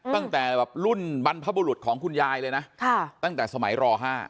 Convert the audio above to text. ตั้งแต่รุ่นบรรพบุรุษของคุณยายเลยนะตั้งแต่สมัยร๕